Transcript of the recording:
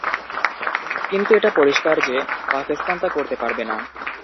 কিন্তু এটা পরিষ্কার যে পাকিস্তান তা করতে পারবে না।